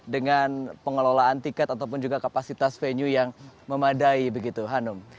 dengan pengelolaan tiket ataupun juga kapasitas venue yang memadai begitu hanum